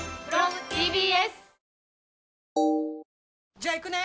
じゃあ行くね！